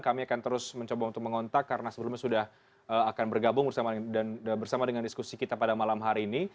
kami akan terus mencoba untuk mengontak karena sebelumnya sudah akan bergabung bersama dengan diskusi kita pada malam hari ini